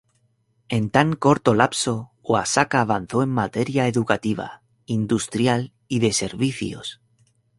En tan corto lapso, Oaxaca avanzó en materia educativa, industrial y de servicios.